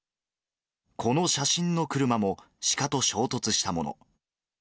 この写真の車も、シカと衝突したもの。